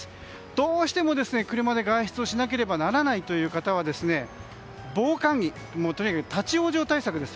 どうしても車で外出をしなければならないという方はとにかく立ち往生対策です。